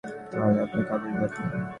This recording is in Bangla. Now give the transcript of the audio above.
তাহলে আপনার কাগজ দেখান।